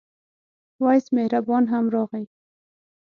وېس مهربان هم راغی.